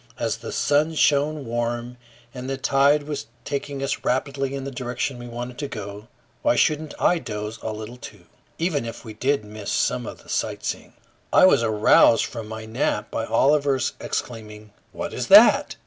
As the sun shone warm and the tide was taking us rapidly in the direction we wanted to go, why shouldn't I doze a little too, even if we did miss some of the sightseeing? I was aroused from my nap by Oliver's exclaiming, "What is that?"